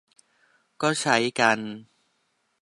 ก็ใช้กัน